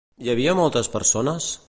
Hi havia moltes persones?